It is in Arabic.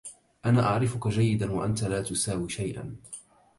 أنا أعرفك جيدا و أنت لا تساوي شيئا.